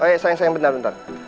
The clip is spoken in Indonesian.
eh sayang sayang bentar bentar